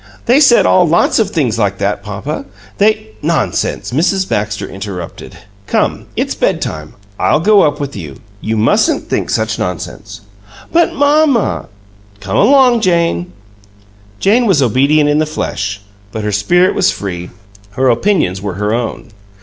"They said all lots of things like that, papa. They " "Nonsense!" Mrs. Baxter in interrupted. "Come, it's bedtime. I'll go up with you. You mustn't think such nonsense." "But, mamma " "Come along, Jane!" Jane was obedient in the flesh, but her spirit was free; her opinions were her own.